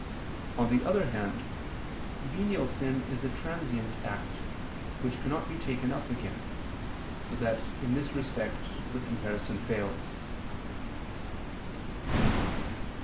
On the other hand, venial sin is a transient act, which cannot be taken up again: so that in this respect the comparison fails.